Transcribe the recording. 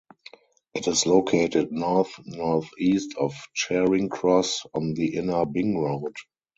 It is located north-northeast of Charing Cross on the Inner Ring Road.